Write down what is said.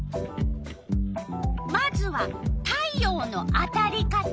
まずは「太陽のあたり方」。